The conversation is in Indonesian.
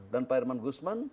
dan pak herman guzman